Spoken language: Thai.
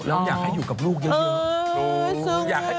แล้วอยากให้อยู่กับลูกเยอะ